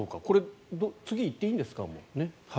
次行っていいんですかね。